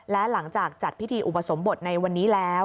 และหลังจากจัดพิธีอุปสมบทในวันนี้แล้ว